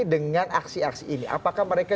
dengan aksi aksi ini apakah mereka